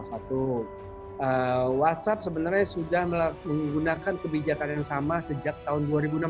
satu whatsapp sebenarnya sudah menggunakan kebijakan yang sama sejak tahun dua ribu enam belas